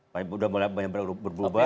sudah mulai banyak berubah